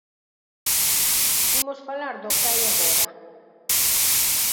Imos falar do que hai agora.